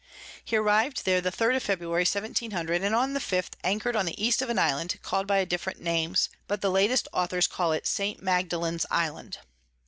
He arriv'd there the 3_d_ of February, 1700. and on the 5_th_ anchor'd on the East of an Island call'd by different Names, but the latest Authors call it St. Magdalens Island.